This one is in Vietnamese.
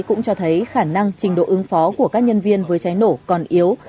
cũng cho thấy khả năng trình độ ứng phó của các nhân viên với cháy nổ còn yếu